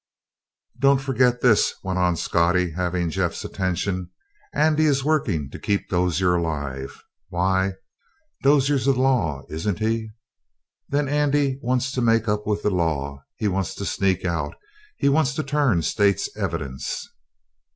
"Don't forget this," went on Scottie, having Jeff's attention. "Andy is workin' to keep Dozier alive. Why? Dozier's the law, isn't he? Then Andy wants to make up with the law. He wants to sneak out. He wants to turn state's evidence!"